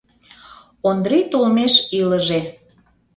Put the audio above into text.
Ондрий толмеш илыже.